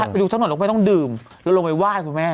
ไปดูถ้าหน่อยเราไม่ต้องดื่มเราลงไปว่ายคุณแม่